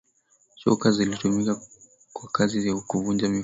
shoka zilitumika kwa kazi ya kuvunja mifupa